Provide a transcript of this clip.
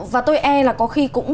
và tôi e là có khi cũng